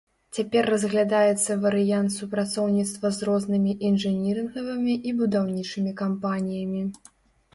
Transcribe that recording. Цяпер разглядаецца варыянт супрацоўніцтва з рознымі інжынірынгавымі і будаўнічымі кампаніямі.